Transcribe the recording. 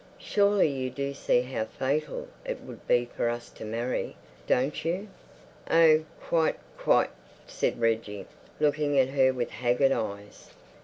"Surely you do see how fatal it would be for us to marry, don't you?" "Oh, quite, quite," said Reggie, looking at her with haggard eyes.